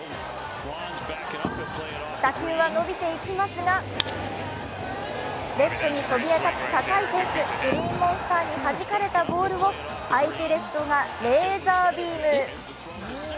打球は伸びていきますがレフトにそびえ立つ高いフェンス、グリーンモンスターにはじかれたボールを相手レフトがレーザービーム。